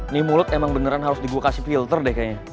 ini mulut emang beneran harus di gue kasih filter deh kayaknya